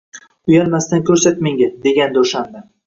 Uyalmasdan ko’rsat menga”, degandi o’shanda.